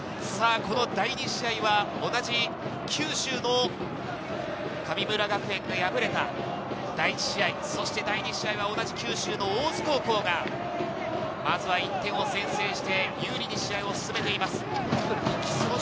第２試合は同じ九州の神村学園が敗れた第１試合、そして第２試合は同じ九州の大津高校が、まずは１点を先制して、有利に試合を進めています。